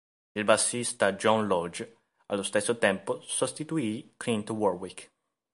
Il bassista John Lodge, allo stesso tempo, sostituì Clint Warwick.